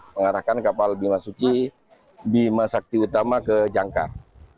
mengarahkan kapal bimasuci bima sakti utama ke jangkar